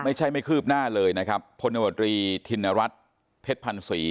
ไม่ใช่ไม่คืบหน้าเลยนะครับพลวตรีธินรัฐเพชรพันศรี